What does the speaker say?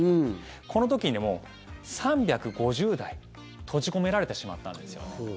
この時にも３５０台閉じ込められてしまったんです。